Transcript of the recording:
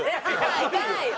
行かないよ。